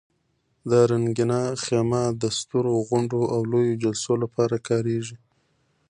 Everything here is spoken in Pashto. دا رنګینه خیمه د سترو غونډو او لویو جلسو لپاره کارېږي.